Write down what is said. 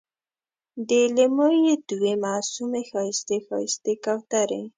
د لېمو یې دوې معصومې ښایستې، ښایستې کوترې